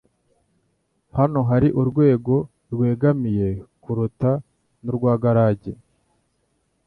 Hano hari urwego rwegamiye kurukuta rwa garage.